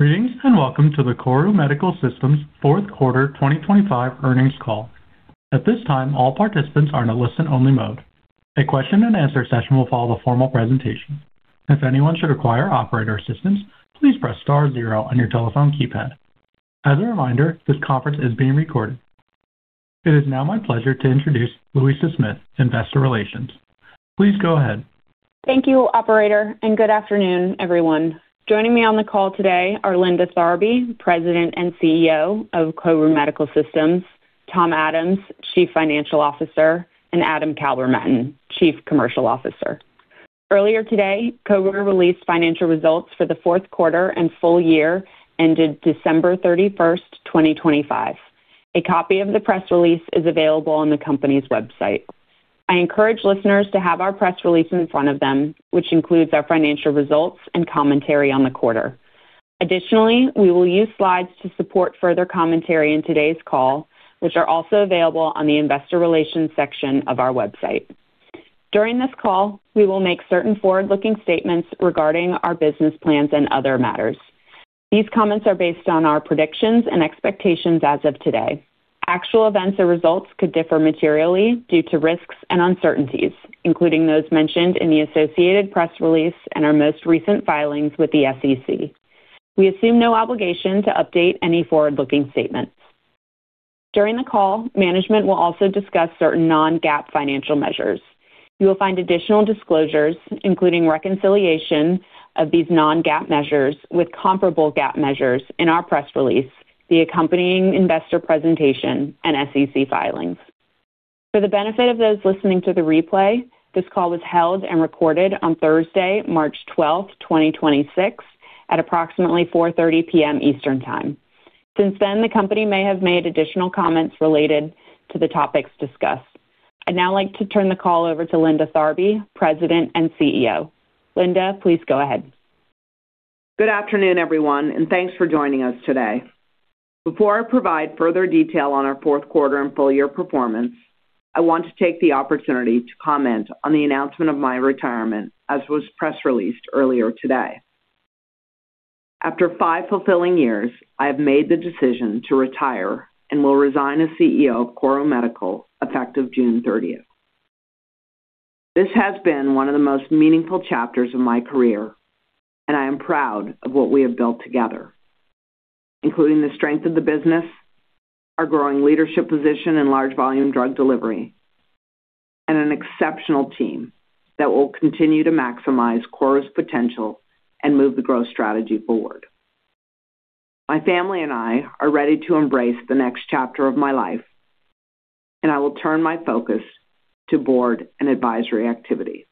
Greetings, and welcome to the KORU Medical Systems fourth quarter 2025 earnings call. At this time, all participants are in a listen-only mode. A question and answer session will follow the formal presentation. If anyone should require operator assistance, please press star zero on your telephone keypad. As a reminder, this conference is being recorded. It is now my pleasure to introduce Louisa Smith, Investor Relations. Please go ahead. Thank you, operator, and good afternoon, everyone. Joining me on the call today are Linda Tharby, President and CEO of KORU Medical Systems, Tom Adams, Chief Financial Officer, and Adam Kalbermatten, Chief Commercial Officer. Earlier today, KORU released financial results for the fourth quarter and full year ended December 31, 2025. A copy of the press release is available on the company's website. I encourage listeners to have our press release in front of them, which includes our financial results and commentary on the quarter. Additionally, we will use slides to support further commentary in today's call, which are also available on the investor relations section of our website. During this call, we will make certain forward-looking statements regarding our business plans and other matters. These comments are based on our predictions and expectations as of today. Actual events or results could differ materially due to risks and uncertainties, including those mentioned in the associated press release and our most recent filings with the SEC. We assume no obligation to update any forward-looking statements. During the call, management will also discuss certain non-GAAP financial measures. You will find additional disclosures, including reconciliation of these non-GAAP measures with comparable GAAP measures in our press release, the accompanying investor presentation, and SEC filings. For the benefit of those listening to the replay, this call was held and recorded on Thursday, March 12, 2026 at approximately 4:30 P.M. Eastern Time. Since then, the company may have made additional comments related to the topics discussed. I'd now like to turn the call over to Linda Tharby, President and CEO. Linda, please go ahead. Good afternoon, everyone, and thanks for joining us today. Before I provide further detail on our fourth quarter and full year performance, I want to take the opportunity to comment on the announcement of my retirement, as was press released earlier today. After five fulfilling years, I have made the decision to retire and will resign as CEO of KORU Medical Systems effective June 13th. This has been one of the most meaningful chapters of my career, and I am proud of what we have built together, including the strength of the business, our growing leadership position in large volume drug delivery, and an exceptional team that will continue to maximize KORU's potential and move the growth strategy forward. My family and I are ready to embrace the next chapter of my life, and I will turn my focus to board and advisory activities.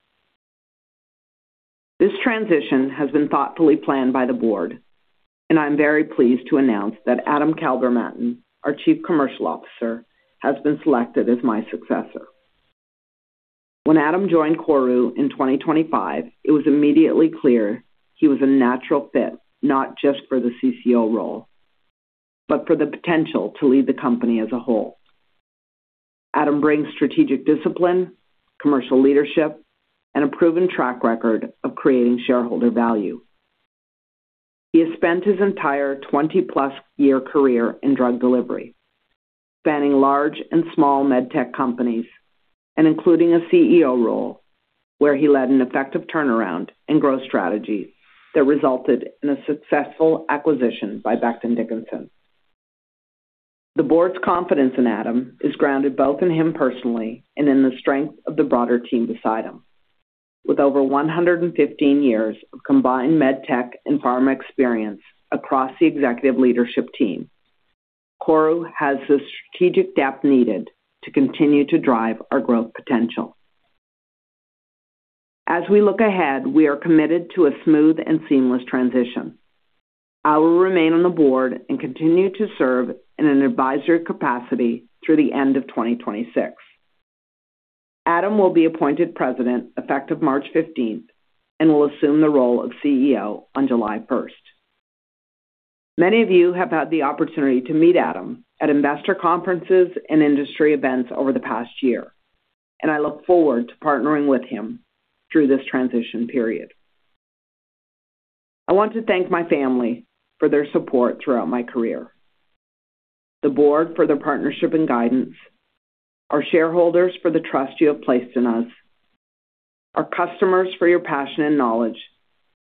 This transition has been thoughtfully planned by the board, and I'm very pleased to announce that Adam Kalbermatten, our Chief Commercial Officer, has been selected as my successor. When Adam joined KORU in 2025, it was immediately clear he was a natural fit, not just for the CCO role, but for the potential to lead the company as a whole. Adam brings strategic discipline, commercial leadership, and a proven track record of creating shareholder value. He has spent his entire 20+-year career in drug delivery, spanning large and small med tech companies and including a CEO role where he led an effective turnaround in growth strategies that resulted in a successful acquisition by Becton Dickinson. The board's confidence in Adam is grounded both in him personally and in the strength of the broader team beside him. With over 115 years of combined med tech and pharma experience across the executive leadership team, KORU has the strategic depth needed to continue to drive our growth potential. As we look ahead, we are committed to a smooth and seamless transition. I will remain on the board and continue to serve in an advisory capacity through the end of 2026. Adam will be appointed President effective March fifteenth and will assume the role of CEO on July 1. Many of you have had the opportunity to meet Adam at investor conferences and industry events over the past year, and I look forward to partnering with him through this transition period. I want to thank my family for their support throughout my career, the board for their partnership and guidance, our shareholders for the trust you have placed in us, our customers for your passion and knowledge,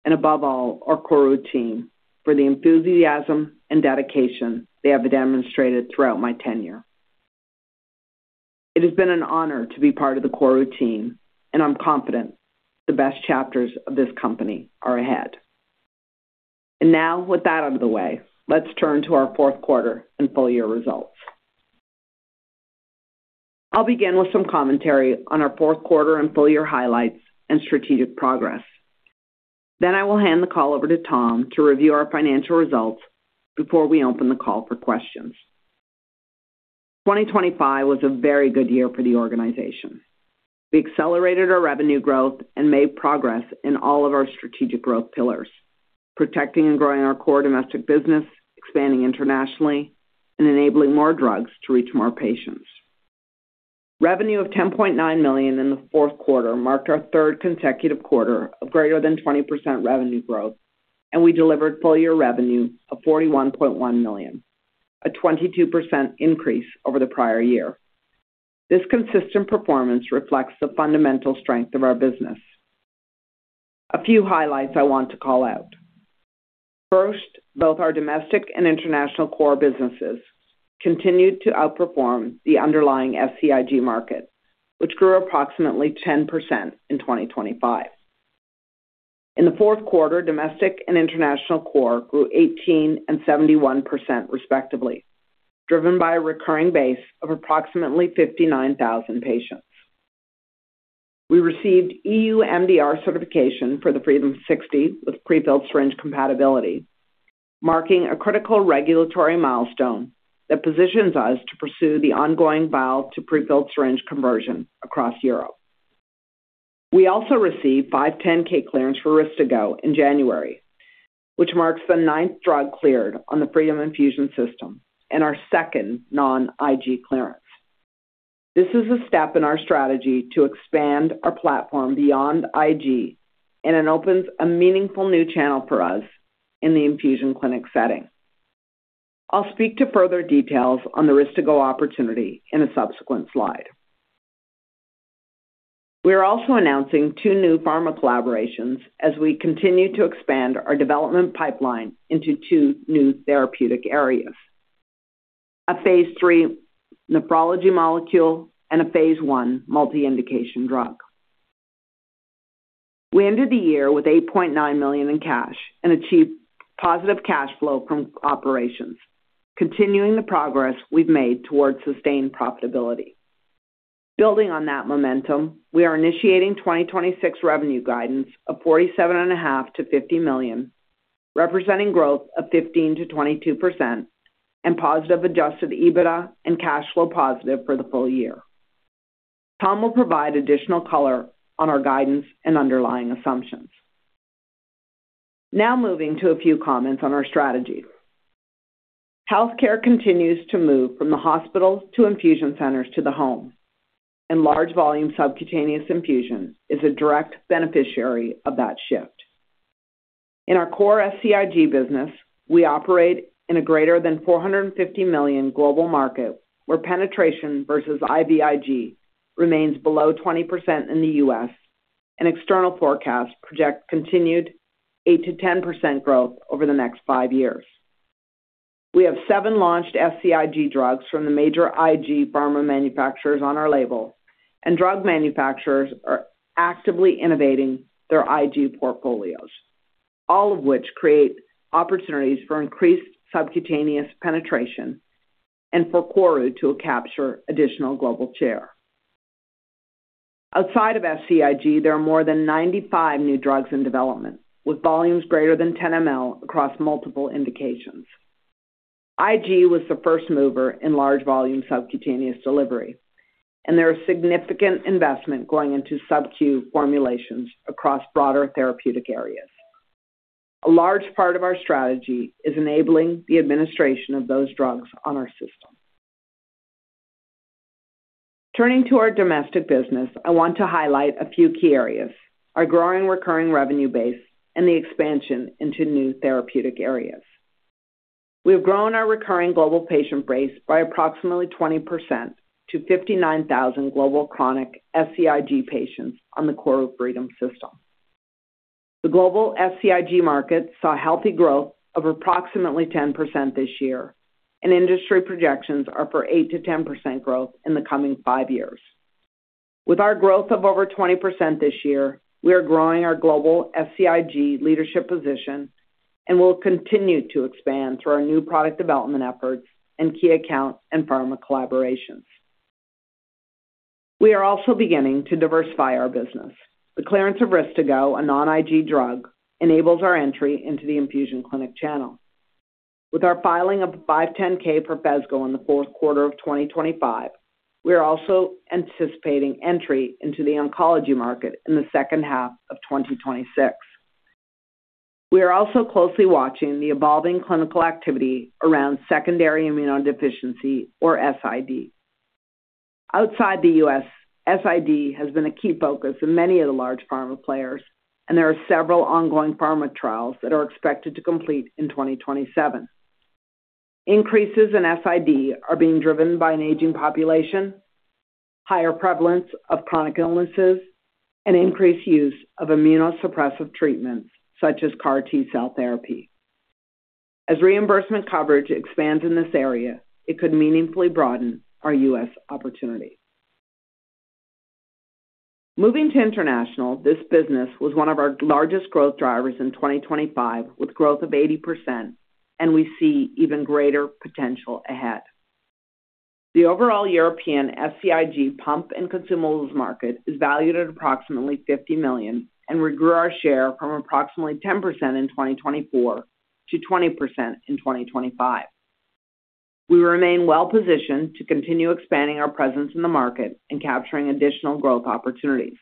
and above all, our KORU team for the enthusiasm and dedication they have demonstrated throughout my tenure. It has been an honor to be part of the KORU team, and I'm confident the best chapters of this company are ahead. Now, with that out of the way, let's turn to our fourth quarter and full year results. I'll begin with some commentary on our fourth quarter and full year highlights and strategic progress. I will hand the call over to Tom to review our financial results before we open the call for questions. 2025 was a very good year for the organization. We accelerated our revenue growth and made progress in all of our strategic growth pillars, protecting and growing our core domestic business, expanding internationally, and enabling more drugs to reach more patients. Revenue of $10.9 million in the fourth quarter marked our third consecutive quarter of greater than 20% revenue growth, and we delivered full year revenue of $41.1 million, a 22% increase over the prior year. This consistent performance reflects the fundamental strength of our business. A few highlights I want to call out. First, both our domestic and international core businesses continued to outperform the underlying SCIG market, which grew approximately 10% in 2025. In the fourth quarter, domestic and international core grew 18% and 71% respectively, driven by a recurring base of approximately 59,000 patients. We received EU MDR certification for the Freedom60 with prefilled syringe compatibility, marking a critical regulatory milestone that positions us to pursue the ongoing vial to prefilled syringe conversion across Europe. We also received 510(k) clearance for RYSTIGGO in January, which marks the ninth drug cleared on the Freedom Infusion System and our second non-IG clearance. This is a step in our strategy to expand our platform beyond IG, and it opens a meaningful new channel for us in the infusion clinic setting. I'll speak to further details on the RYSTIGGO opportunity in a subsequent slide. We are also announcing two new pharma collaborations as we continue to expand our development pipeline into two new therapeutic areas: a phase 3 nephrology molecule and a phase 1 multi-indication drug. We ended the year with $8.9 million in cash and achieved positive cash flow from operations, continuing the progress we've made towards sustained profitability. Building on that momentum, we are initiating 2026 revenue guidance of $47.5-$50 million, representing growth of 15%-22% and positive Adjusted EBITDA and cash flow positive for the full year. Tom will provide additional color on our guidance and underlying assumptions. Now moving to a few comments on our strategy. Healthcare continues to move from the hospital to infusion centers to the home, and large volume subcutaneous infusion is a direct beneficiary of that shift. In our core SCIG business, we operate in a greater than $450 million global market where penetration versus IVIG remains below 20% in the US, and external forecasts project continued 8%-10% growth over the next five years. We have seven launched SCIG drugs from the major IG pharma manufacturers on our label, and drug manufacturers are actively innovating their IG portfolios, all of which create opportunities for increased subcutaneous penetration and for KORU to capture additional global share. Outside of SCIG, there are more than 95 new drugs in development, with volumes greater than 10 mL across multiple indications. IG was the first mover in large volume subcutaneous delivery, and there are significant investment going into subQ formulations across broader therapeutic areas. A large part of our strategy is enabling the administration of those drugs on our system. Turning to our domestic business, I want to highlight a few key areas, our growing recurring revenue base and the expansion into new therapeutic areas. We have grown our recurring global patient base by approximately 20% to 59,000 global chronic SCIG patients on the KORU Freedom system. The global SCIG market saw healthy growth of approximately 10% this year, and industry projections are for 8%-10% growth in the coming five years. With our growth of over 20% this year, we are growing our global SCIG leadership position and will continue to expand through our new product development efforts and key account and pharma collaborations. We are also beginning to diversify our business. The clearance of RYSTIGGO, a non-IG drug, enables our entry into the infusion clinic channel. With our filing of the 510(k) for Phesgo in the fourth quarter of 2025, we are also anticipating entry into the oncology market in the second half of 2026. We are also closely watching the evolving clinical activity around secondary immunodeficiency, or SID. Outside the U.S., SID has been a key focus in many of the large pharma players, and there are several ongoing pharma trials that are expected to complete in 2027. Increases in SID are being driven by an aging population, higher prevalence of chronic illnesses, and increased use of immunosuppressive treatments such as CAR T-cell therapy. As reimbursement coverage expands in this area, it could meaningfully broaden our U.S. opportunity. Moving to international, this business was one of our largest growth drivers in 2025, with growth of 80%, and we see even greater potential ahead. The overall European SCIG pump and consumables market is valued at approximately $50 million. We grew our share from approximately 10% in 2024 to 20% in 2025. We remain well-positioned to continue expanding our presence in the market and capturing additional growth opportunities.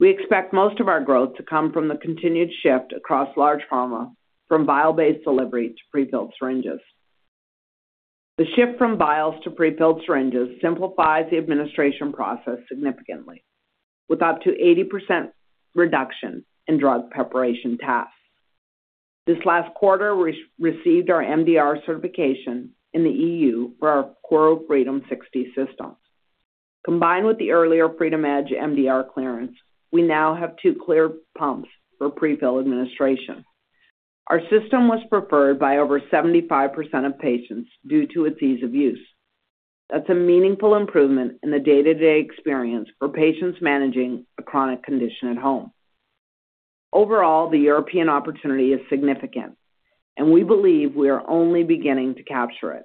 We expect most of our growth to come from the continued shift across large pharma from vial-based delivery to prefilled syringes. The shift from vials to prefilled syringes simplifies the administration process significantly, with up to 80% reduction in drug preparation tasks. This last quarter, we received our MDR certification in the EU for our KORU Freedom60 system. Combined with the earlier FreedomEDGE MDR clearance, we now have two cleared pumps for prefilled administration. Our system was preferred by over 75% of patients due to its ease of use. That's a meaningful improvement in the day-to-day experience for patients managing a chronic condition at home. Overall, the European opportunity is significant, and we believe we are only beginning to capture it.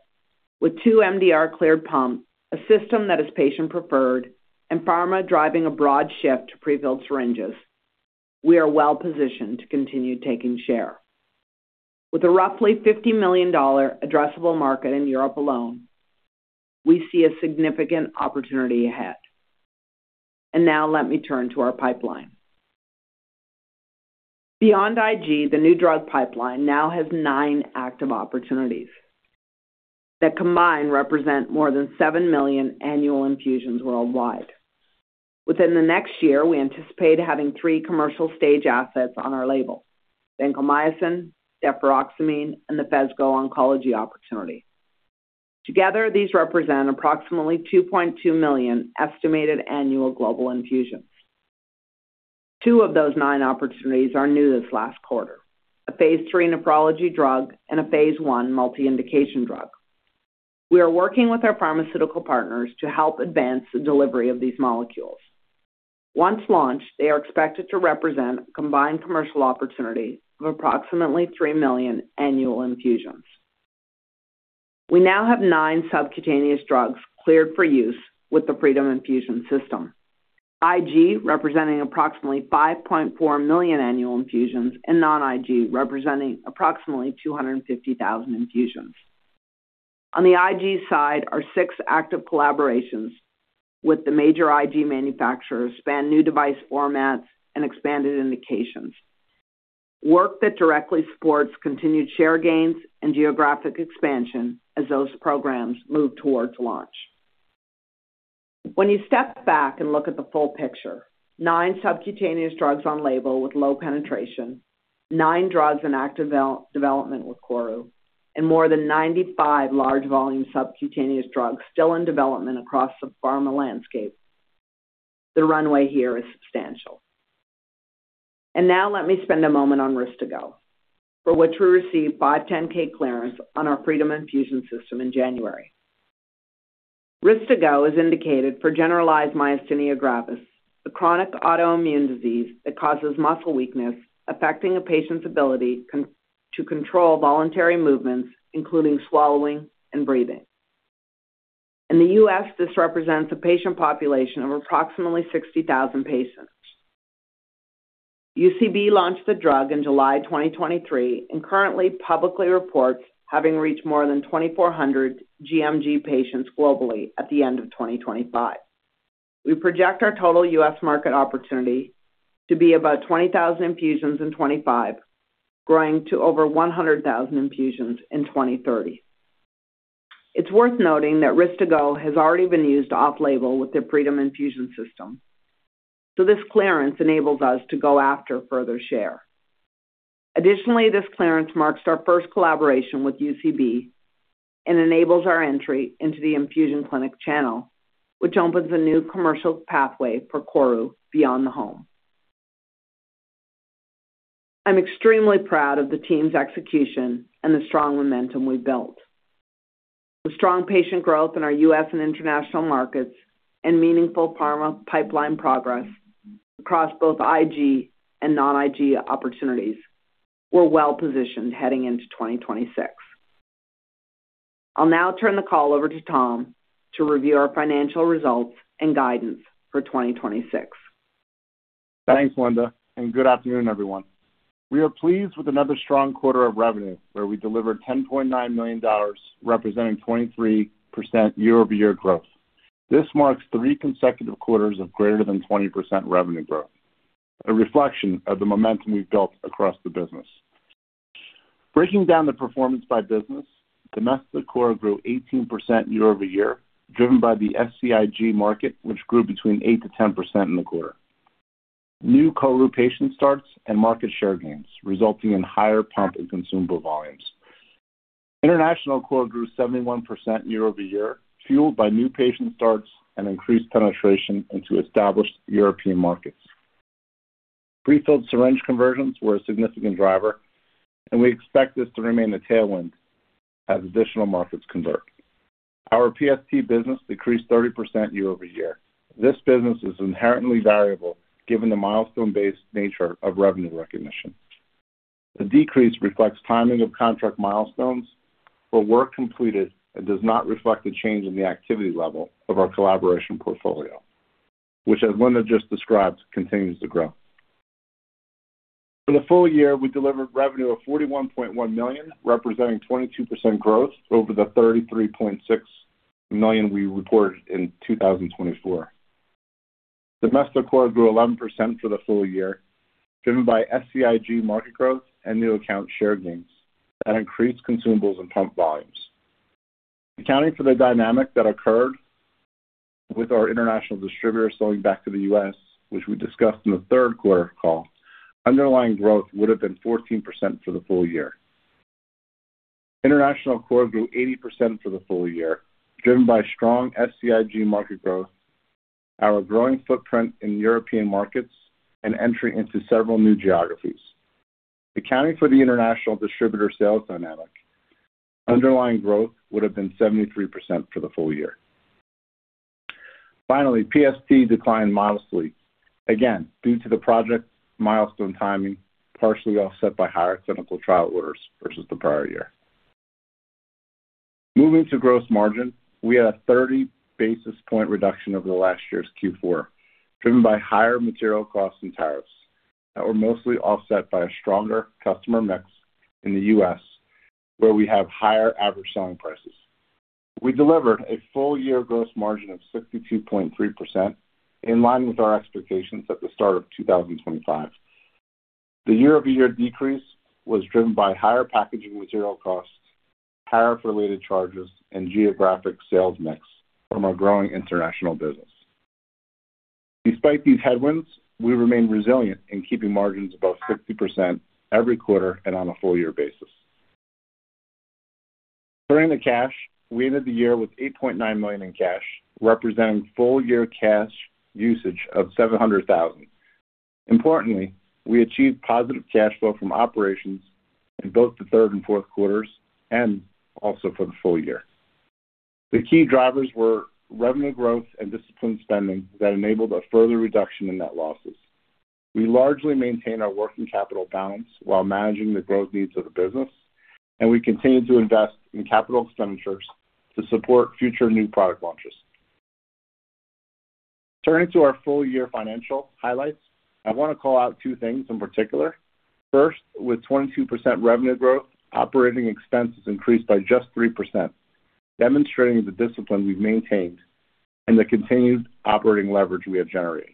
With 2 MDR cleared pumps, a system that is patient preferred, and pharma driving a broad shift to prefilled syringes, we are well-positioned to continue taking share. With a roughly $50 million addressable market in Europe alone, we see a significant opportunity ahead. Now let me turn to our pipeline. Beyond IG, the new drug pipeline now has 9 active opportunities that combined represent more than seven million annual infusions worldwide. Within the next year, we anticipate having three commercial-stage assets on our label, vancomycin, deferoxamine, and the Phesgo oncology opportunity. Together, these represent approximately 2.2 million estimated annual global infusions. Two of those nine opportunities are new this last quarter, a Phase 3 nephrology drug and a phase 1 multi-indication drug. We are working with our pharmaceutical partners to help advance the delivery of these molecules. Once launched, they are expected to represent a combined commercial opportunity of approximately three million annual infusions. We now have nine subcutaneous drugs cleared for use with the Freedom Infusion System, IG representing approximately 5.4 million annual infusions and non-IG representing approximately 250,000 infusions. On the IG side, our six active collaborations with the major IG manufacturers span new device formats and expanded indications, work that directly supports continued share gains and geographic expansion as those programs move towards launch. When you step back and look at the full picture, nine subcutaneous drugs on label with low penetration, nine drugs in active development with KORU, and more than 95 large volume subcutaneous drugs still in development across the pharma landscape, the runway here is substantial. Now let me spend a moment on RYSTIGGO, for which we received 510(k) clearance on our Freedom Infusion System in January. RYSTIGGO is indicated for generalized myasthenia gravis, a chronic autoimmune disease that causes muscle weakness, affecting a patient's ability to control voluntary movements, including swallowing and breathing. In the US, this represents a patient population of approximately 60,000 patients. UCB launched the drug in July 2023 and currently publicly reports having reached more than 2,400 gMG patients globally at the end of 2025. We project our total U.S. market opportunity to be about 20,000 infusions in 2025, growing to over 100,000 infusions in 2030. It's worth noting that RYSTIGGO has already been used off-label with their Freedom Infusion System, so this clearance enables us to go after further share. Additionally, this clearance marks our first collaboration with UCB and enables our entry into the infusion clinic channel, which opens a new commercial pathway for KORU beyond the home. I'm extremely proud of the team's execution and the strong momentum we've built. With strong patient growth in our U.S. and international markets and meaningful pharma pipeline progress across both IG and non-IG opportunities, we're well-positioned heading into 2026. I'll now turn the call over to Tom to review our financial results and guidance for 2026. Thanks, Linda, and good afternoon, everyone. We are pleased with another strong quarter of revenue, where we delivered $10.9 million, representing 23% year-over-year growth. This marks three consecutive quarters of greater than 20% revenue growth, a reflection of the momentum we've built across the business. Breaking down the performance by business, domestic KORU grew 18% year-over-year, driven by the SCIG market, which grew between 8%-10% in the quarter. New KORU patient starts and market share gains, resulting in higher pump and consumable volumes. International KORU grew 71% year-over-year, fueled by new patient starts and increased penetration into established European markets. Prefilled syringe conversions were a significant driver, and we expect this to remain a tailwind as additional markets convert. Our PST business decreased 30% year-over-year. This business is inherently variable given the milestone-based nature of revenue recognition. The decrease reflects timing of contract milestones for work completed and does not reflect the change in the activity level of our collaboration portfolio, which, as Linda just described, continues to grow. For the full year, we delivered revenue of $41.1 million, representing 22% growth over the $33.6 million we reported in 2024. Domestic core grew 11% for the full year, driven by SCIG market growth and new account share gains that increased consumables and pump volumes. Accounting for the dynamic that occurred with our international distributors selling back to the U.S., which we discussed in the third quarter call, underlying growth would have been 14% for the full year. International core grew 80% for the full year, driven by strong SCIG market growth, our growing footprint in European markets, and entry into several new geographies. Accounting for the international distributor sales dynamic, underlying growth would have been 73% for the full year. Finally, PST declined modestly again due to the project milestone timing, partially offset by higher clinical trial orders versus the prior year. Moving to gross margin, we had a 30 basis point reduction over last year's Q4, driven by higher material costs and tariffs that were mostly offset by a stronger customer mix in the US where we have higher average selling prices. We delivered a full year gross margin of 62.3% in line with our expectations at the start of 2025. The year-over-year decrease was driven by higher packaging material costs, tariff related charges, and geographic sales mix from our growing international business. Despite these headwinds, we remain resilient in keeping margins above 60% every quarter and on a full year basis. Turning to cash, we ended the year with $8.9 million in cash, representing full year cash usage of $700,000. Importantly, we achieved positive cash flow from operations in both the third and fourth quarters and also for the full year. The key drivers were revenue growth and disciplined spending that enabled a further reduction in net losses. We largely maintain our working capital balance while managing the growth needs of the business, and we continue to invest in capital expenditures to support future new product launches. Turning to our full year financial highlights, I want to call out two things in particular. First, with 22% revenue growth, operating expenses increased by just 3%, demonstrating the discipline we've maintained and the continued operating leverage we have generated.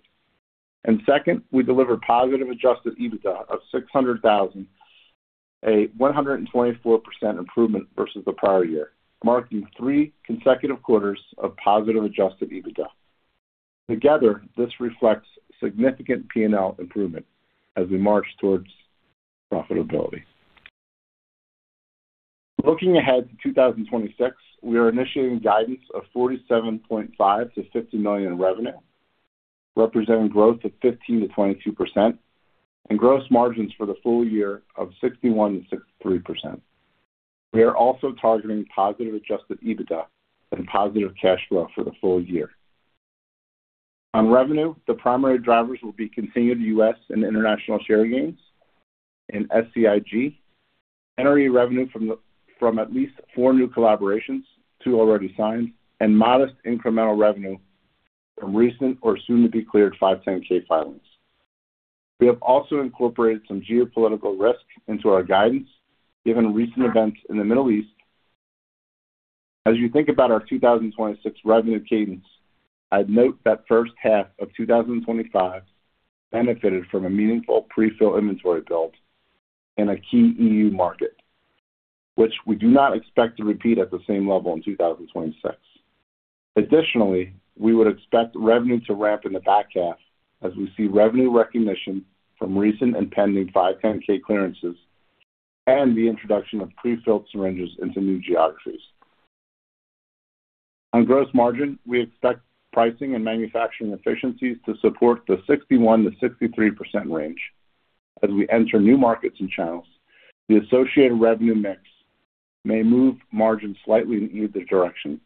Second, we delivered positive adjusted EBITDA of $600,000, a 124% improvement versus the prior year, marking 3 consecutive quarters of positive adjusted EBITDA. Together, this reflects significant P&L improvement as we march towards profitability. Looking ahead to 2026, we are initiating guidance of $47.5 million-$50 million in revenue, representing growth of 15%-22% and gross margins for the full year of 61%-63%. We are also targeting positive Adjusted EBITDA and positive cash flow for the full year. On revenue, the primary drivers will be continued U.S. and international share gains in SCIG, NRE revenue from at least four new collaborations, two already signed, and modest incremental revenue from recent or soon-to-be-cleared 510(k) filings. We have also incorporated some geopolitical risk into our guidance given recent events in the Middle East. As you think about our 2026 revenue cadence, I'd note that first half of 2025 benefited from a meaningful pre-fill inventory build in a key EU market, which we do not expect to repeat at the same level in 2026. Additionally, we would expect revenue to ramp in the back half as we see revenue recognition from recent and pending 510(k) clearances and the introduction of pre-filled syringes into new geographies. On gross margin, we expect pricing and manufacturing efficiencies to support the 61%-63% range. As we enter new markets and channels, the associated revenue mix may move margins slightly in either direction,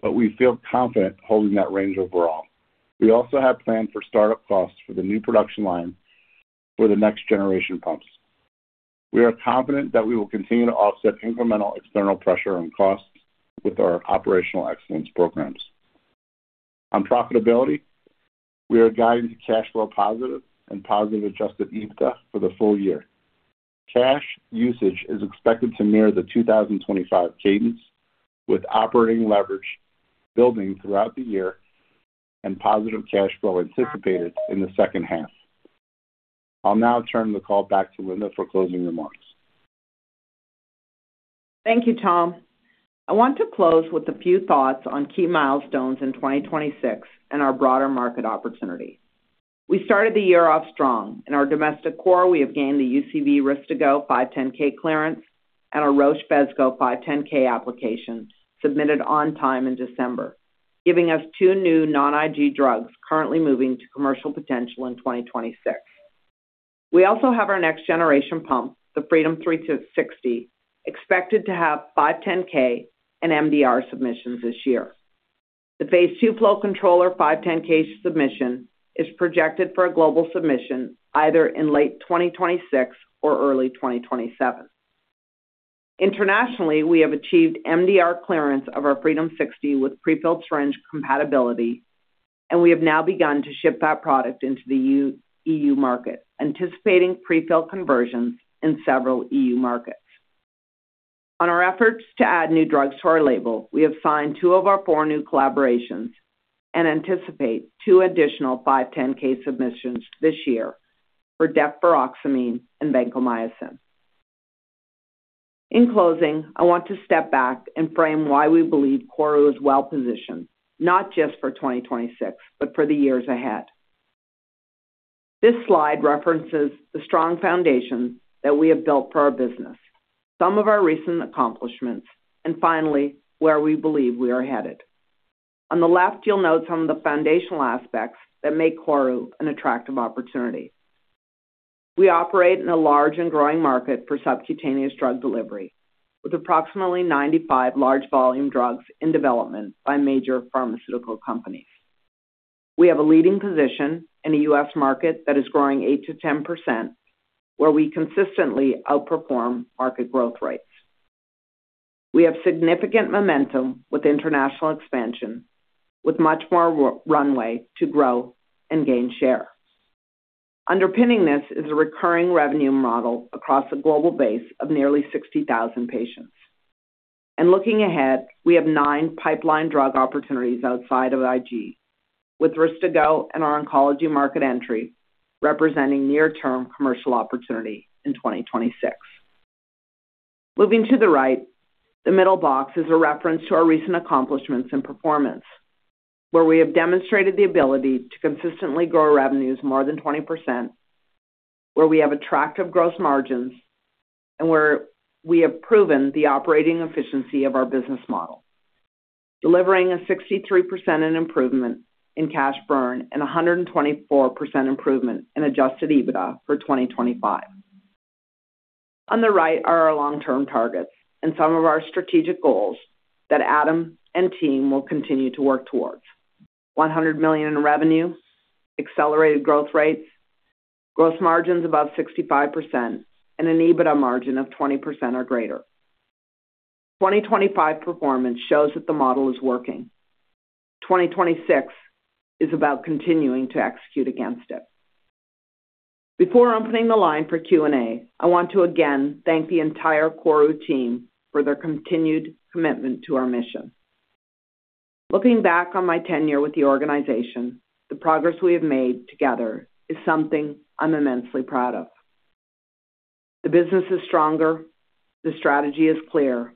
but we feel confident holding that range overall. We also have planned for start-up costs for the new production line for the next generation pumps. We are confident that we will continue to offset incremental external pressure on costs with our operational excellence programs. On profitability, we are guiding to cash flow positive and positive Adjusted EBITDA for the full year. Cash usage is expected to mirror the 2025 cadence, with operating leverage building throughout the year and positive cash flow anticipated in the second half. I'll now turn the call back to Linda for closing remarks. Thank you, Tom. I want to close with a few thoughts on key milestones in 2026 and our broader market opportunity. We started the year off strong. In our domestic core, we have gained the UCB RYSTIGGO 510(k) clearance and our Roche Phesgo 510(k) application submitted on time in December, giving us two new non-IG drugs currently moving to commercial potential in 2026. We also have our next generation pump, the Freedom360, expected to have 510(k) and MDR submissions this year. The Precision Flow Rate Tubing 510(k) submission is projected for a global submission either in late 2026 or early 2027. Internationally, we have achieved MDR clearance of our Freedom60 with prefilled syringe compatibility, and we have now begun to ship that product into the EU market, anticipating prefilled conversions in several EU markets. On our efforts to add new drugs to our label, we have signed two of our four new collaborations and anticipate two additional 510(k) submissions this year for deferoxamine and vancomycin. In closing, I want to step back and frame why we believe KORU is well positioned not just for 2026, but for the years ahead. This slide references the strong foundation that we have built for our business, some of our recent accomplishments, and finally, where we believe we are headed. On the left, you'll note some of the foundational aspects that make KORU an attractive opportunity. We operate in a large and growing market for subcutaneous drug delivery with approximately 95 large volume drugs in development by major pharmaceutical companies. We have a leading position in the U.S. market that is growing 8%-10%, where we consistently outperform market growth rates. We have significant momentum with international expansion, with much more runway to grow and gain share. Underpinning this is a recurring revenue model across a global base of nearly 60,000 patients. Looking ahead, we have nine pipeline drug opportunities outside of IG, with RYSTIGGO and our oncology market entry representing near-term commercial opportunity in 2026. Moving to the right, the middle box is a reference to our recent accomplishments and performance, where we have demonstrated the ability to consistently grow revenues more than 20%, where we have attractive gross margins, and where we have proven the operating efficiency of our business model, delivering a 63% improvement in cash burn and a 124% improvement in Adjusted EBITDA for 2025. On the right are our long-term targets and some of our strategic goals that Adam and team will continue to work towards. $100 million in revenue, accelerated growth rates, gross margins above 65%, and an EBITDA margin of 20% or greater. 2025 performance shows that the model is working. 2026 is about continuing to execute against it. Before opening the line for Q&A, I want to again thank the entire KORU team for their continued commitment to our mission. Looking back on my tenure with the organization, the progress we have made together is something I'm immensely proud of. The business is stronger, the strategy is clear,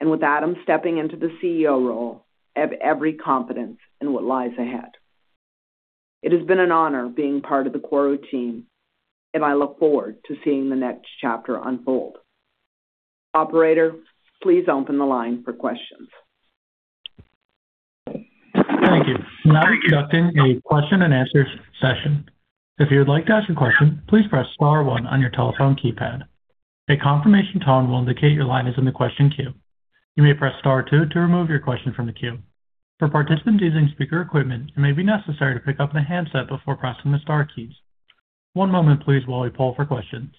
and with Adam stepping into the CEO role, I have every confidence in what lies ahead. It has been an honor being part of the KORU team, and I look forward to seeing the next chapter unfold. Operator, please open the line for questions. Thank you. We're now conducting a question and answer session. If you would like to ask a question, please press Star one on your telephone keypad. A confirmation tone will indicate your line is in the question queue. You may press Star two to remove your question from the queue. For participants using speaker equipment, it may be necessary to pick up the handset before pressing the Star keys. One moment please while we poll for questions.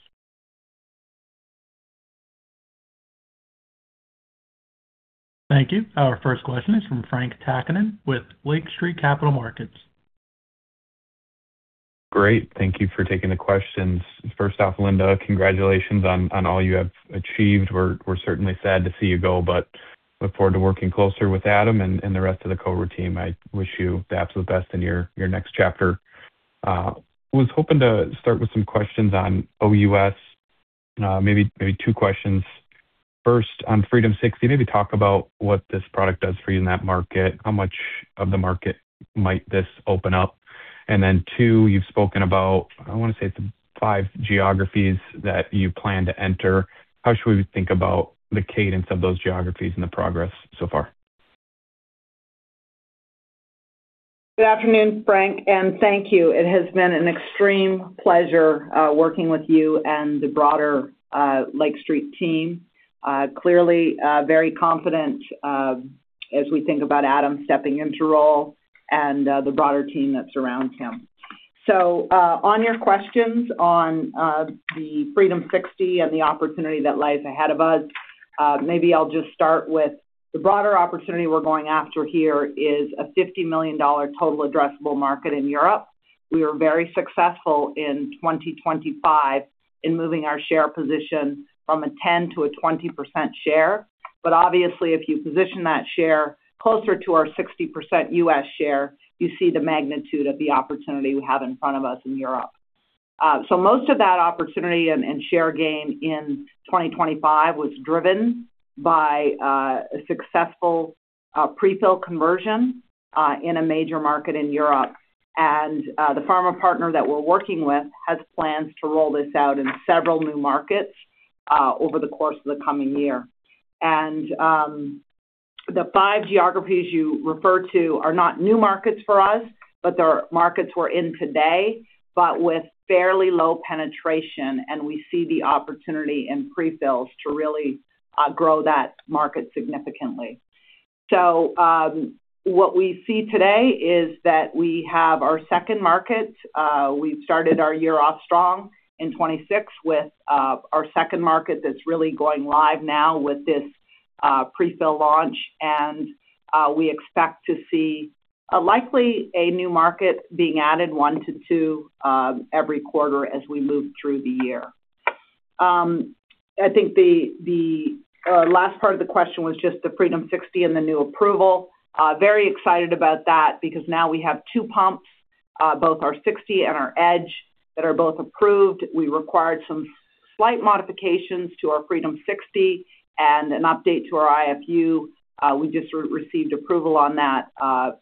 Thank you. Our first question is from Frank Takkinen with Lake Street Capital Markets. Great. Thank you for taking the questions. First off, Linda, congratulations on all you have achieved. We're certainly sad to see you go, but look forward to working closer with Adam and the rest of the KORU team. I wish you the absolute best in your next chapter. Was hoping to start with some questions on OUS, maybe two questions. First, on Freedom60, maybe talk about what this product does for you in that market. How much of the market might this open up? And then two, you've spoken about, I wanna say it's five geographies that you plan to enter. How should we think about the cadence of those geographies and the progress so far? Good afternoon, Frank, and thank you. It has been an extreme pleasure, working with you and the broader Lake Street team. Clearly, very confident, as we think about Adam stepping into role and the broader team that surrounds him. On your questions on the Freedom60 and the opportunity that lies ahead of us, maybe I'll just start with the broader opportunity we're going after here is a $50 million total addressable market in Europe. We were very successful in 2025 in moving our share position from 10% to a 20% share. Obviously, if you position that share closer to our 60% US share, you see the magnitude of the opportunity we have in front of us in Europe. Most of that opportunity and share gain in 2025 was driven by a successful prefill conversion in a major market in Europe. The pharma partner that we're working with has plans to roll this out in several new markets over the course of the coming year. The five geographies you refer to are not new markets for us, but they're markets we're in today, but with fairly low penetration, and we see the opportunity in prefills to really grow that market significantly. What we see today is that we have our second market. We've started our year off strong in 2026 with our second market that's really going live now with this pre-fill launch. We expect to see likely a new market being added one to two every quarter as we move through the year. I think the last part of the question was just the Freedom60 and the new approval. Very excited about that because now we have two pumps, both our 60 and our FreedomEDGE that are both approved. We required some slight modifications to our Freedom60 and an update to our IFU. We just received approval on that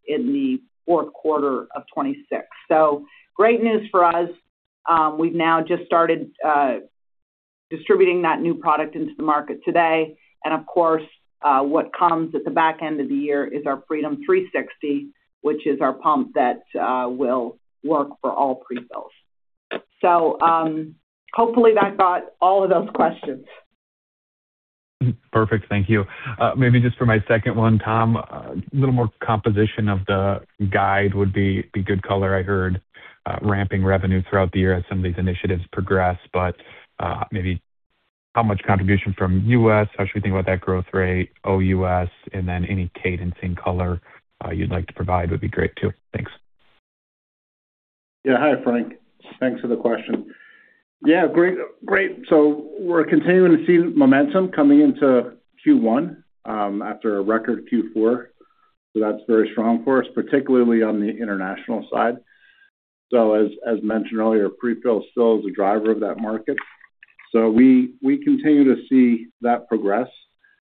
in the fourth quarter of 2026. Great news for us. We've now just started distributing that new product into the market today. Of course, what comes at the back end of the year is our Freedom60, which is our pump that will work for all pre-fills. Hopefully that got all of those questions. Perfect. Thank you. Maybe just for my second one, Tom, a little more composition of the guide would be good color. I heard ramping revenue throughout the year as some of these initiatives progress, but maybe how much contribution from US? How should we think about that growth rate, OUS? And then any cadence in color you'd like to provide would be great too. Thanks. Yeah. Hi, Frank. Thanks for the question. Yeah, great. We're continuing to see momentum coming into Q1 after a record Q4. That's very strong for us, particularly on the international side. As mentioned earlier, pre-fill still is a driver of that market. We continue to see that progress.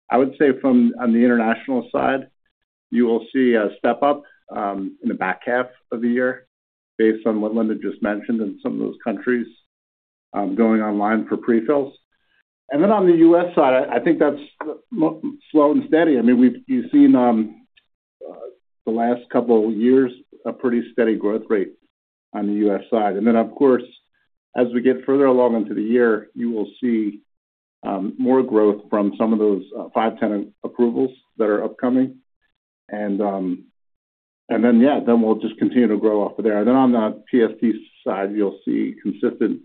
I would say on the international side, you will see a step up in the back half of the year based on what Linda just mentioned and some of those countries going online for pre-fills. Then on the US side, I think that's slow and steady. I mean, you've seen the last couple years a pretty steady growth rate on the US side. Of course, as we get further along into the year, you will see more growth from some of those five tenant approvals that are upcoming. Yeah, then we'll just continue to grow off of there. On the PST side, you'll see consistent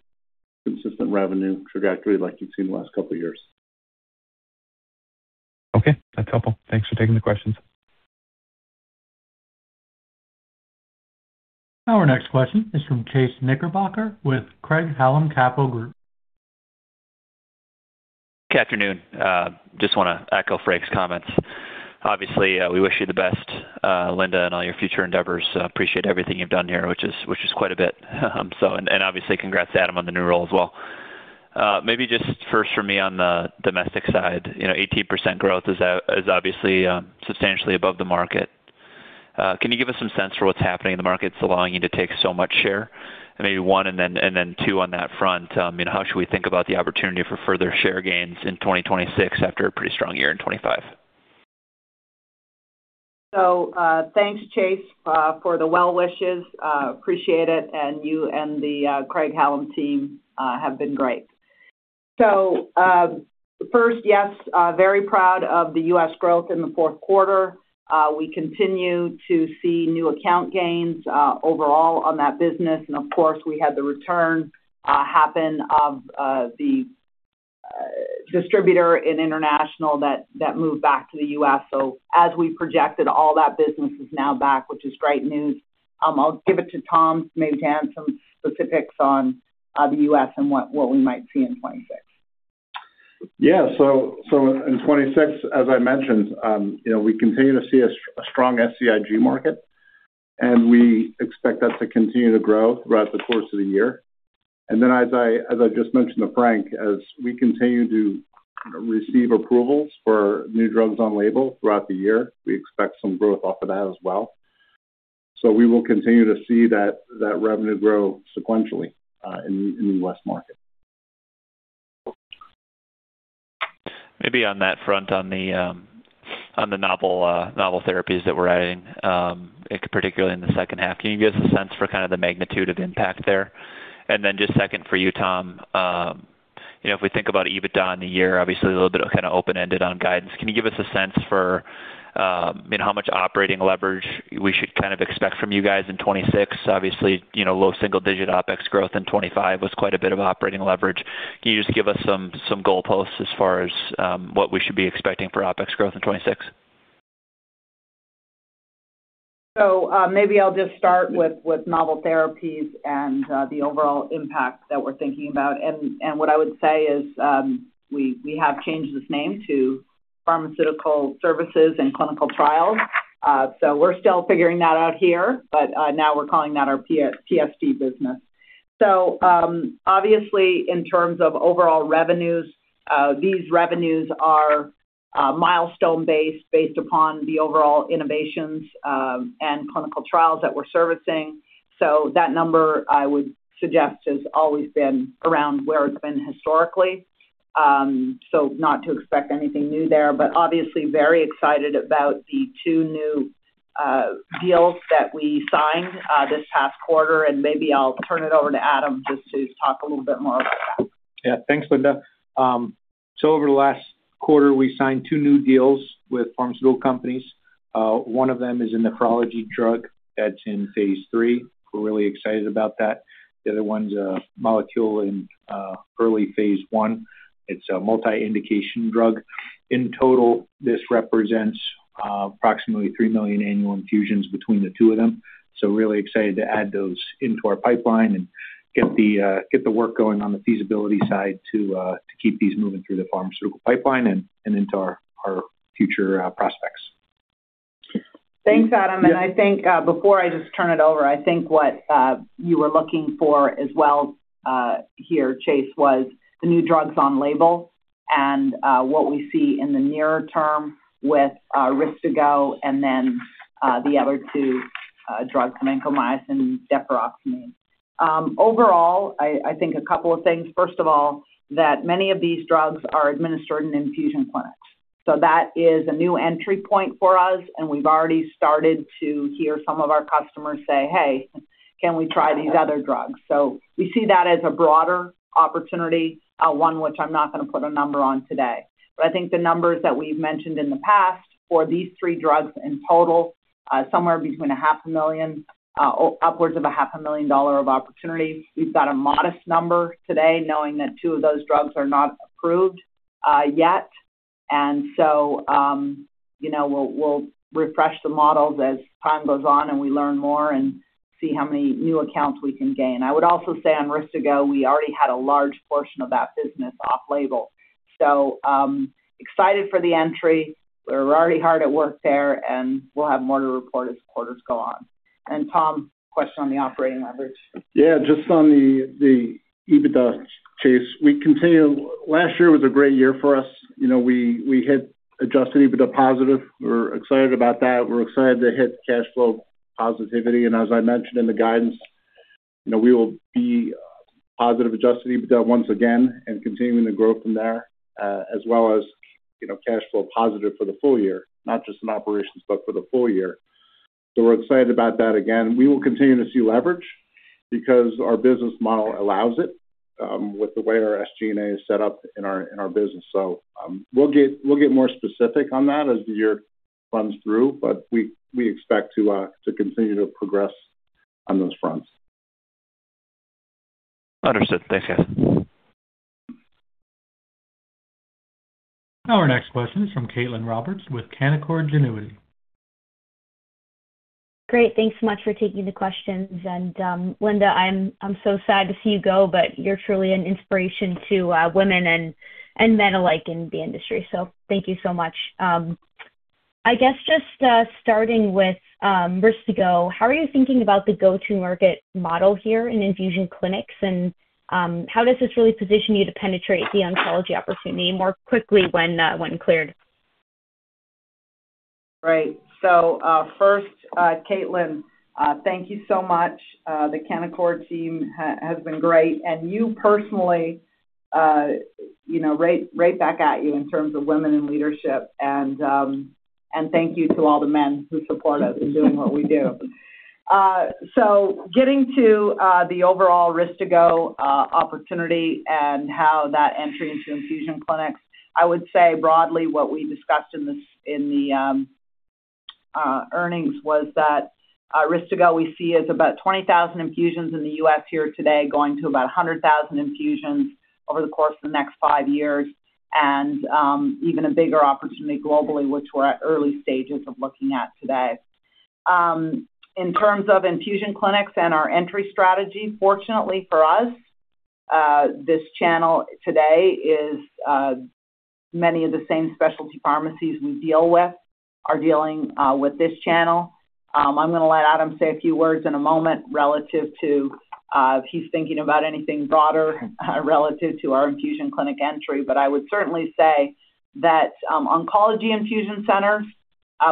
revenue trajectory like you've seen the last couple of years. Okay. That's helpful. Thanks for taking the questions. Our next question is from Chase Knickerbocker with Craig-Hallum Capital Group. Good afternoon. Just wanna echo Frank's comments. Obviously, we wish you the best, Linda, in all your future endeavors. Appreciate everything you've done here, which is quite a bit. And obviously congrats, Adam, on the new role as well. Maybe just first for me on the domestic side, you know, 18% growth is obviously substantially above the market. Can you give us some sense for what's happening in the markets allowing you to take so much share? Maybe one, and then two on that front, you know, how should we think about the opportunity for further share gains in 2026 after a pretty strong year in 2025? Thanks, Chase, for the well wishes. Appreciate it. You and the Craig-Hallum team have been great. First, yes, very proud of the U.S. growth in the fourth quarter. We continue to see new account gains overall on that business. Of course, we had the return happen of the distributor in international that moved back to the U.S. As we projected, all that business is now back, which is great news. I'll give it to Tom maybe to add some specifics on the U.S. and what we might see in 2026. Yeah. In 2026, as I mentioned, you know, we continue to see a strong SCIG market, and we expect that to continue to grow throughout the course of the year. As I just mentioned to Frank, as we continue to receive approvals for new drugs on label throughout the year, we expect some growth off of that as well. We will continue to see that revenue grow sequentially in the U.S. market. Maybe on that front, on the novel therapies that we're adding, particularly in the second half, can you give us a sense for kinda the magnitude of impact there? Then just second for you, Tom, you know, if we think about EBITDA in the year, obviously a little bit of kinda open-ended on guidance. Can you give us a sense for, you know, how much operating leverage we should kind of expect from you guys in 2026? Obviously, you know, low single-digit OpEx growth in 2025 was quite a bit of operating leverage. Can you just give us some goalposts as far as, what we should be expecting for OpEx growth in 2026? Maybe I'll just start with novel therapies and the overall impact that we're thinking about. What I would say is, we have changed this name to Pharmaceutical Services and Clinical Trials. We're still figuring that out here, but now we're calling that our PST business. Obviously, in terms of overall revenues, these revenues are milestone-based, based upon the overall innovations and clinical trials that we're servicing. That number, I would suggest, has always been around where it's been historically. Not to expect anything new there, but obviously very excited about the two new deals that we signed this past quarter, and maybe I'll turn it over to Adam just to talk a little bit more about that. Yeah. Thanks, Linda. Over the last quarter, we signed two new deals with pharmaceutical companies. One of them is a nephrology drug that's in phase three. We're really excited about that. The other one's a molecule in early phase one. It's a multi-indication drug. In total, this represents approximately 3 million annual infusions between the two of them. Really excited to add those into our pipeline and get the work going on the feasibility side to keep these moving through the pharmaceutical pipeline and into our future prospects. Thanks, Adam. Yeah. I think, before I just turn it over, I think what you were looking for as well, here, Chase, was the new drugs on label and what we see in the near term with RYSTIGGO and then the other two drugs, vancomycin and deferoxamine. Overall, I think a couple of things. First of all, that many of these drugs are administered in infusion clinics, so that is a new entry point for us, and we've already started to hear some of our customers say, "Hey, can we try these other drugs?" We see that as a broader opportunity, one which I'm not gonna put a number on today. I think the numbers that we've mentioned in the past for these three drugs in total, somewhere between half a million upwards of half a million dollars of opportunity. We've got a modest number today, knowing that two of those drugs are not approved yet. You know, we'll refresh the models as time goes on and we learn more and see how many new accounts we can gain. I would also say on Risdiplam, we already had a large portion of that business off label. Excited for the entry. We're already hard at work there, and we'll have more to report as quarters go on. Tom, question on the operating leverage. Yeah, just on the EBITDA case. Last year was a great year for us. You know, we hit Adjusted EBITDA positive. We're excited about that. We're excited to hit cash flow positivity. As I mentioned in the guidance, you know, we will be positive Adjusted EBITDA once again and continuing to grow from there, as well as, you know, cash flow positive for the full year, not just in operations, but for the full year. We're excited about that again. We will continue to see leverage because our business model allows it, with the way our SG&A is set up in our business. We'll get more specific on that as the year runs through. We expect to continue to progress on those fronts. Understood. Thank you. Our next question is from Caitlin Roberts with Canaccord Genuity. Great. Thanks so much for taking the questions. Linda, I'm so sad to see you go, but you're truly an inspiration to women and men alike in the industry, so thank you so much. I guess just starting with risdiplam, how are you thinking about the go-to-market model here in infusion clinics and how does this really position you to penetrate the oncology opportunity more quickly when cleared? Right. First, Caitlin, thank you so much. The Canaccord team has been great, and you personally, you know, right back at you in terms of women in leadership and thank you to all the men who support us in doing what we do. Getting to the overall Risdiplam opportunity and how that entry into infusion clinics, I would say broadly what we discussed in the earnings was that Risdiplam we see as about 20,000 infusions in the US here today, going to about 100,000 infusions over the course of the next five years and even a bigger opportunity globally, which we're at early stages of looking at today. In terms of infusion clinics and our entry strategy, fortunately for us, this channel today is many of the same specialty pharmacies we deal with are dealing with this channel. I'm gonna let Adam say a few words in a moment relative to if he's thinking about anything broader relative to our infusion clinic entry. I would certainly say that oncology infusion centers,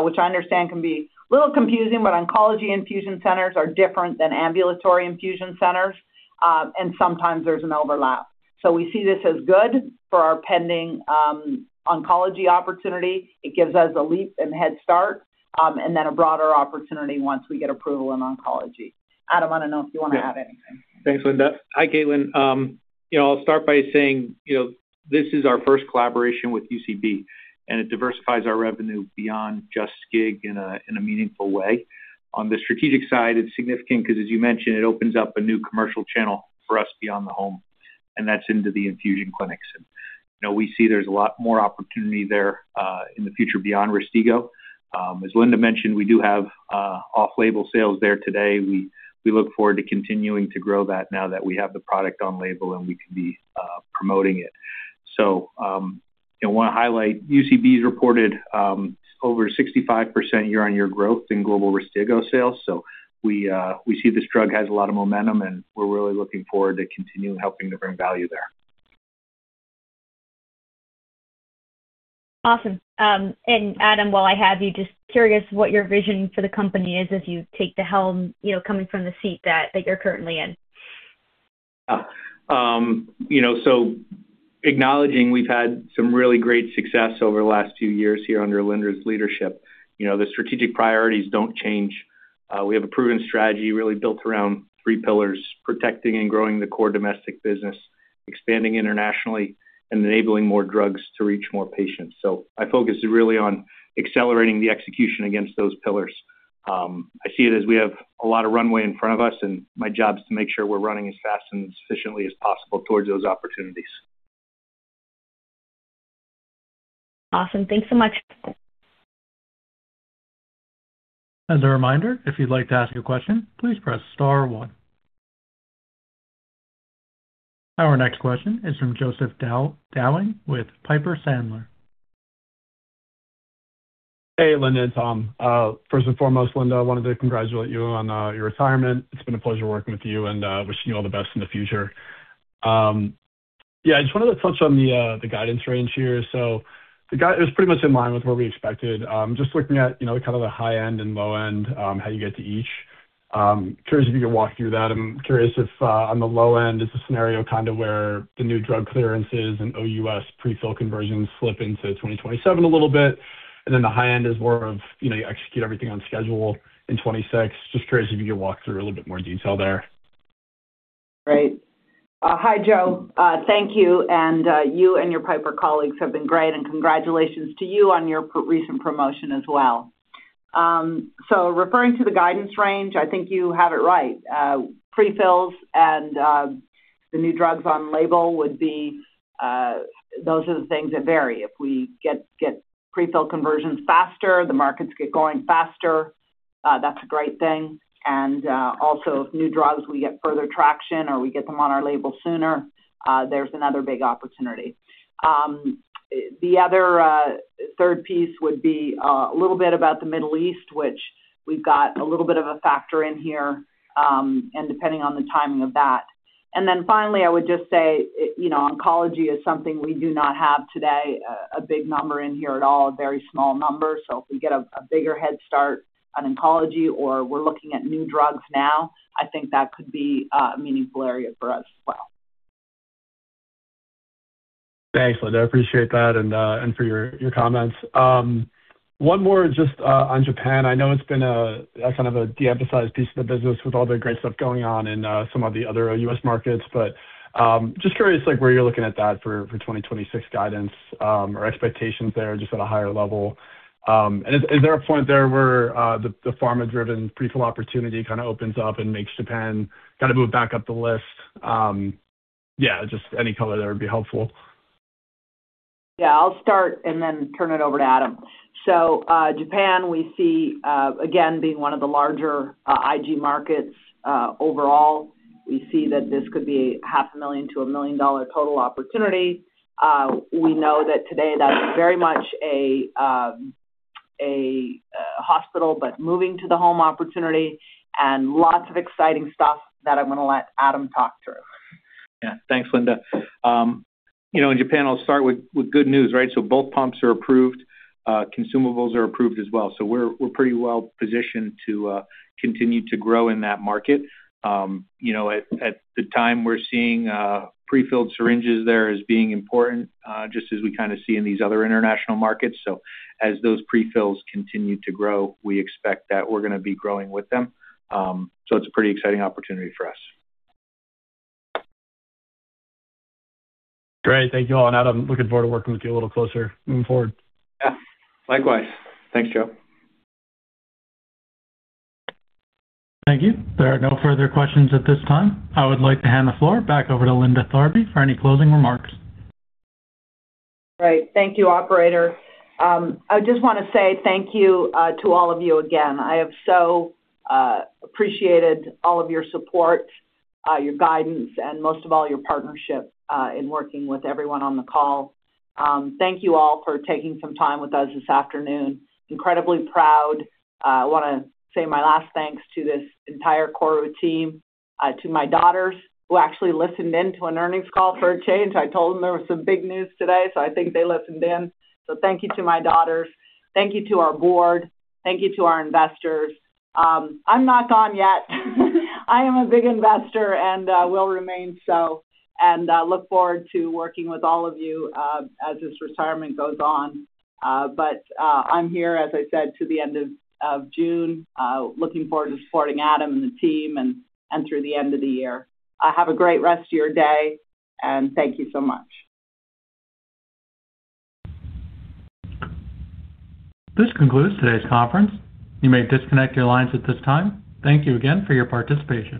which I understand can be a little confusing, but oncology infusion centers are different than ambulatory infusion centers, and sometimes there's an overlap. We see this as good for our pending oncology opportunity. It gives us a leap and head start, and then a broader opportunity once we get approval in oncology. Adam, I don't know if you wanna add anything. Yeah. Thanks, Linda. Hi, Caitlin. You know, I'll start by saying, you know, this is our first collaboration with UCB, and it diversifies our revenue beyond just SCIG in a meaningful way. On the strategic side, it's significant 'cause as you mentioned, it opens up a new commercial channel for us beyond the home, and that's into the infusion clinics. You know, we see there's a lot more opportunity there in the future beyond RYSTIGGO. As Linda mentioned, we do have off-label sales there today. We look forward to continuing to grow that now that we have the product on label, and we can be promoting it. You know, wanna highlight UCB's reported over 65% year-on-year growth in global RYSTIGGO sales. We see this drug has a lot of momentum, and we're really looking forward to continuing helping to bring value there. Awesome. Adam, while I have you, just curious what your vision for the company is as you take the helm, you know, coming from the seat that you're currently in. You know, acknowledging we've had some really great success over the last two years here under Linda's leadership. You know, the strategic priorities don't change. We have a proven strategy really built around three pillars, protecting and growing the core domestic business, expanding internationally, and enabling more drugs to reach more patients. I focus really on accelerating the execution against those pillars. I see it as we have a lot of runway in front of us, and my job is to make sure we're running as fast and as efficiently as possible towards those opportunities. Awesome. Thanks so much. As a reminder, if you'd like to ask a question, please press star one. Our next question is from Joseph Dowling with Piper Sandler. Hey, Linda and Tom. First and foremost, Linda, I wanted to congratulate you on your retirement. It's been a pleasure working with you and wishing you all the best in the future. Yeah, just wanted to touch on the guidance range here. It was pretty much in line with what we expected. Just looking at, you know, kind of the high end and low end, how you get to each. Curious if you could walk through that. I'm curious if, on the low end, it's a scenario kind of where the new drug clearances and OUS prefill conversions slip into 2027 a little bit, and then the high end is more of, you know, you execute everything on schedule in 2026. Just curious if you could walk through a little bit more detail there. Great. Hi, Joe. Thank you. You and your Piper colleagues have been great, and congratulations to you on your recent promotion as well. Referring to the guidance range, I think you have it right. Prefills and the new drugs on label would be. Those are the things that vary. If we get prefill conversions faster, the markets get going faster, that's a great thing. Also, if new drugs we get further traction or we get them on our label sooner, there's another big opportunity. The other third piece would be a little bit about the Middle East, which we've got a little bit of a factor in here, and depending on the timing of that. Finally, I would just say, you know, oncology is something we do not have today, a big number in here at all, a very small number. If we get a bigger head start on oncology or we're looking at new drugs now, I think that could be a meaningful area for us as well. Thanks, Linda. I appreciate that and for your comments. One more just on Japan. I know it's been a kind of de-emphasized piece of the business with all the great stuff going on in some of the other US markets, but just curious, like, where you're looking at that for 2026 guidance or expectations there just at a higher level. Is there a point there where the pharma-driven prefill opportunity kinda opens up and makes Japan kinda move back up the list? Yeah, just any color there would be helpful. Yeah. I'll start and then turn it over to Adam. Japan, we see again, being one of the larger IG markets. Overall, we see that this could be half a million to a million-dollar total opportunity. We know that today that's very much a hospital, but moving to the home opportunity and lots of exciting stuff that I'm gonna let Adam talk through. Yeah. Thanks, Linda. You know, in Japan, I'll start with good news, right? Both pumps are approved. Consumables are approved as well. We're pretty well positioned to continue to grow in that market. You know, at the time, we're seeing prefilled syringes there as being important, just as we kinda see in these other international markets. As those prefills continue to grow, we expect that we're gonna be growing with them. It's a pretty exciting opportunity for us. Great. Thank you all. Adam, looking forward to working with you a little closer moving forward. Yeah. Likewise. Thanks, Joe. Thank you. There are no further questions at this time. I would like to hand the floor back over to Linda Tharby for any closing remarks. Great. Thank you, operator. I just wanna say thank you to all of you again. I have so appreciated all of your support, your guidance, and most of all, your partnership in working with everyone on the call. Thank you all for taking some time with us this afternoon. Incredibly proud. I wanna say my last thanks to this entire KORU team, to my daughters who actually listened in to an earnings call for a change. I told them there was some big news today, so I think they listened in. Thank you to my daughters. Thank you to our board. Thank you to our investors. I'm not gone yet. I am a big investor and will remain so and look forward to working with all of you as this retirement goes on. I'm here, as I said, to the end of June, looking forward to supporting Adam and the team and through the end of the year. Have a great rest of your day, and thank you so much. This concludes today's conference. You may disconnect your lines at this time. Thank you again for your participation.